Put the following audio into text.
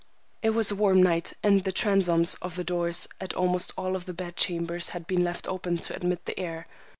It was a warm night, and the transoms over the doors of almost all the bed chambers had been left open to admit the air.